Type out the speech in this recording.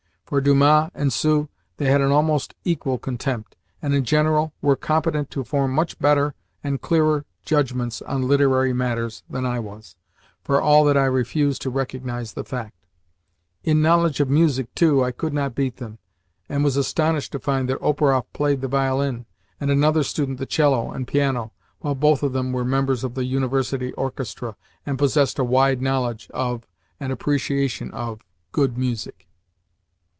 For Dumas and Sue they had an almost equal contempt, and, in general, were competent to form much better and clearer judgments on literary matters than I was, for all that I refused to recognise the fact. In knowledge of music, too, I could not beat them, and was astonished to find that Operoff played the violin, and another student the cello and piano, while both of them were members of the University orchestra, and possessed a wide knowledge of and appreciation of good music.